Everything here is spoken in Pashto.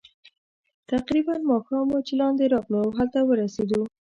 تقریباً ماښام وو چې لاندې راغلو، او هلته ورسېدو.